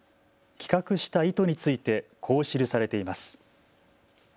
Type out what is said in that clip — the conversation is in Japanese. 企画した意図についてこう記されています。